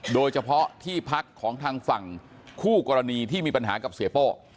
โดยเฉพาะที่พักของทางฝั่งคู่กรณีที่มีปัญหากับเสียโป้